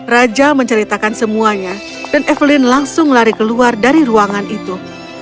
raja menceritakan semuanya dan evelyn langsung lari keluar dari ruangan itu